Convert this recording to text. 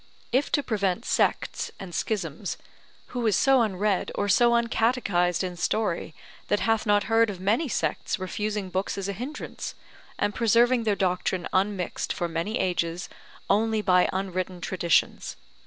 If to prevent sects and schisms, who is so unread or so uncatechized in story, that hath not heard of many sects refusing books as a hindrance, and preserving their doctrine unmixed for many ages, only by unwritten traditions?